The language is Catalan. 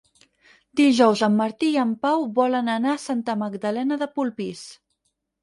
Dijous en Martí i en Pau volen anar a Santa Magdalena de Polpís.